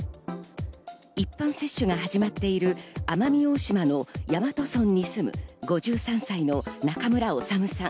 一般接種が始まっている、奄美大島の大和村に住む５３歳の中村修さん。